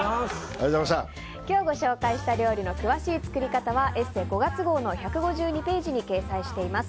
今日ご紹介した料理の詳しい作り方は「ＥＳＳＥ」５月号の１５２ページに掲載しています。